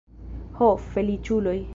Ho, feliĉuloj!